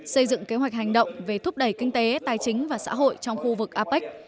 xây dựng kế hoạch hành động về thúc đẩy kinh tế tài chính và xã hội trong khu vực apec